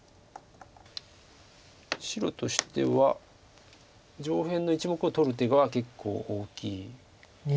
白としては上辺の１目を取る手が結構大きい。